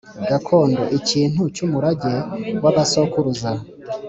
gakondo: ikintu cy’umurage w’abasokuruza